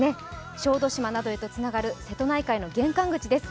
小豆島などへとつながる瀬戸内海の玄関口です。